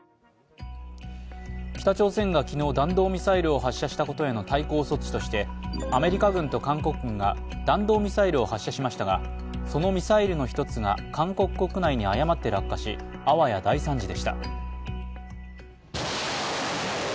北朝鮮が昨日弾道ミサイルを発射したことへの対抗措置としてアメリカ軍と韓国軍が弾道ミサイルを発射しましたがそのミサイルの１つが韓国国内に誤って落下し、あわや大惨事でした。